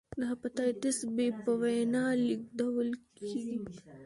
د هپاتایتس بي په وینه لېږدول کېږي.